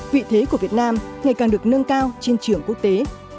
vị thế của việt nam ngày càng được nâng cao trên trường quốc tế